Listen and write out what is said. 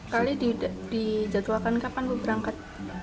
kali di jaduakan kapan berangkat